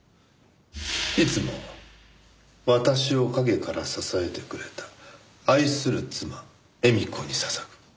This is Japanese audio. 「いつも私を影から支えてくれた愛する妻・絵美子に捧ぐ」